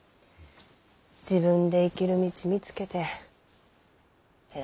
自分で生きる道見つけて偉いわ。